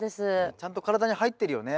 ちゃんと体に入ってるよね。